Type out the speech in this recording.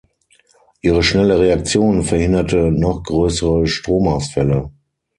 Ihre schnelle Reaktion verhinderte noch größere Stromausfälle.